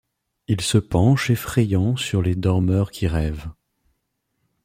Il se penche effrayant sur les dormeurs qui rêvent ;